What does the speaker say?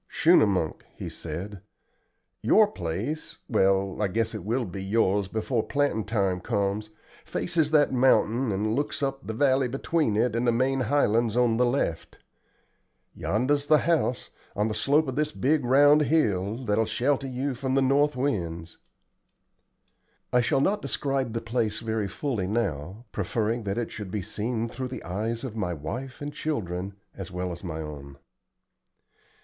"Schunemunk," he said. "Your place well, I guess it will be yours before plantin' time comes faces that mountain and looks up the valley between it and the main highlands on the left. Yonder's the house, on the slope of this big round hill, that'll shelter you from the north winds." I shall not describe the place very fully now, preferring that it should be seen through the eyes of my wife and children, as well as my own.